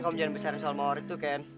kamu jangan bercerai soal maury ken